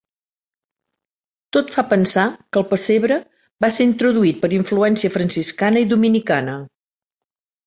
Tot fa pensar que el pessebre va ser introduït per influència franciscana i dominicana.